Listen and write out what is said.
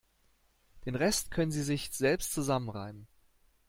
Den Rest können Sie sich selbst zusammenreimen.